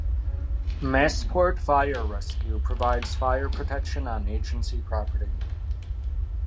Massport Fire Rescue provides fire protection on agency property.